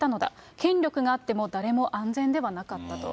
権力があっても、誰も安全ではなかったと。